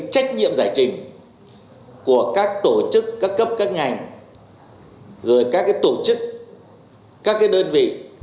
trách nhiệm giải trình của các tổ chức các cấp các ngành rồi các tổ chức các đơn vị